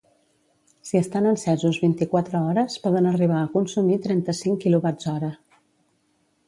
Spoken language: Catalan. Si estan encesos vint-i-quatre hores poden arribar a consumir trenta-cinc kWh.